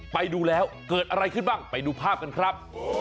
ไปดูแล้วเกิดอะไรขึ้นบ้างไปดูภาพกันครับ